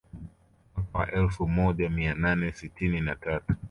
Mwaka wa elfu moja mia nane sitini na tatu